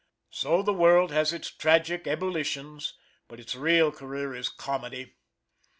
So the world has its tragic ebullitions; but its real career is comedy.